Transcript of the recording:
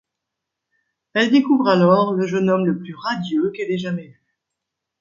Elle découvre alors le jeune homme le plus radieux qu'elle ait jamais vu.